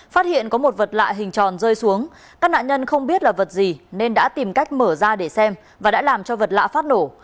phát hiện có một vật lạ hình tròn rơi xuống các nạn nhân không biết là vật gì nên đã tìm cách mở ra để xem và đã làm cho vật lạ phát nổ